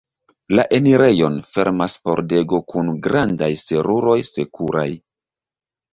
La enirejon fermas pordego kun grandaj seruroj sekuraj.